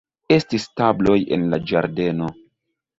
Estis tabloj en la ĝardeno.